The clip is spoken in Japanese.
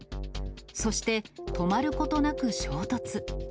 そして止まることなく衝突。